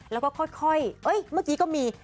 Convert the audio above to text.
แล้วก็ค่อยเมื่อกี้ก็มี